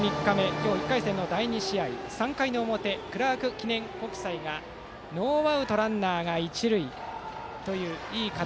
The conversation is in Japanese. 今日１回戦の第２試合３回の表、クラーク記念国際がノーアウトランナーが一塁といういい形。